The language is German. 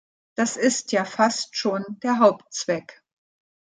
Das ist ja fast schon der Hauptzweck.